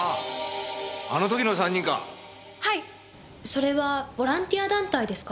それはボランティア団体ですか？